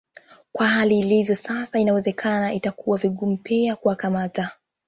Kwa hali ilivyo sasa inawezekana itakuwa vigumu pia kuwakamata